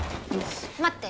待って。